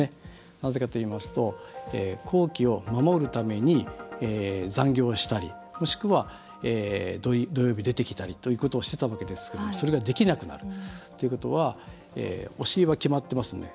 なぜかといいますと工期を守るために、残業をしたりもしくは土曜日、出てきたりということをしていたわけですがそれができなくなるということはお尻は決まっていますので。